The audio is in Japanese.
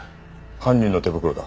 犯人の手袋だ。